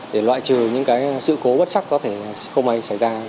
để loại trừ những sự cố bất sắc có thể không ai xảy ra